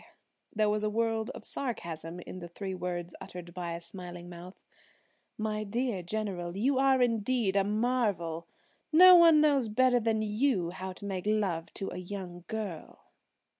There was a world of sarcasm in the three words uttered by a smiling mouth. "My dear General, you are indeed a marvel! No one knows better than you how to make love to a young girl."